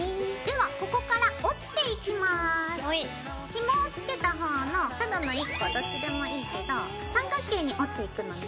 ひもを付けた方の角の１個どっちでもいいけど三角形に折っていくのね。